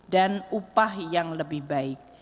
upah yang lebih baik